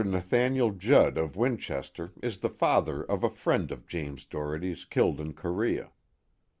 Nathaniel Judd of Winchester is the father of a friend of James Doherty's killed in Korea.